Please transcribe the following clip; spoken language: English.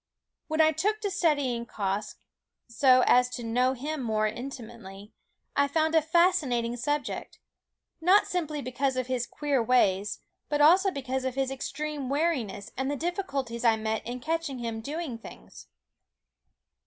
When I took to studying Quoskh, so as to know him more intimately, I found a fascinating subject ; not simply because of his queer ways, but also because of his extreme wariness and the difficulties I met in catching him doing things.